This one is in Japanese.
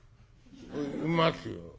「いますよ」。